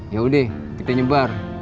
ya udah kita nyebar